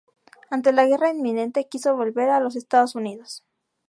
Ante la guerra inminente, quiso volver a los Estados Unidos.